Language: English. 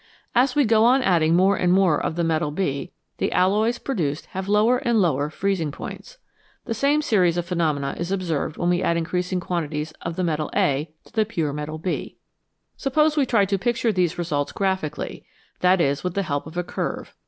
As we go on adding more and more of the metal B, the alloys produced have lower and lower freezing points. The same series of phenomena is observed when we add increasing quantities of the metal A to the pure metal B. Suppose we try to picture these results graphically, that is, with the help of a curve.